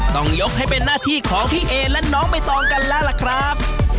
ต้องยกให้เป็นหน้าที่ของพี่เอและน้องใบตองกันแล้วล่ะครับ